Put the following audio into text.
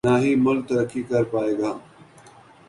نہ ہی ملک ترقی کر پائے گا۔